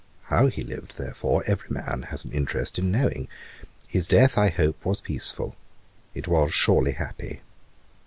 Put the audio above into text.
How he lived, therefore, every man has an interest in knowing. His death, I hope, was peaceful; it was surely happy.